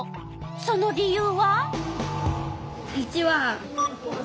その理由は？